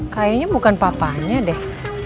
kayaknya bukan papanya deh